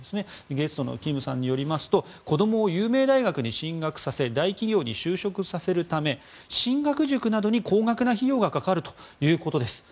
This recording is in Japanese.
ゲストのキムさんによりますと子供を有名大学に進学させ大企業に就職させるため進学塾などに高額な費用がかかるということです。